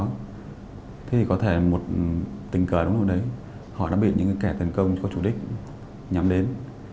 thế thì có thể một tình cờ đúng lúc đấy họ đã bị những kẻ tấn công có chủ đích nhắm đến